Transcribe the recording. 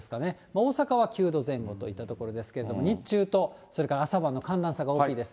大阪は９度前後といったところですけど、日中とそれから朝晩の寒暖差が大きいです。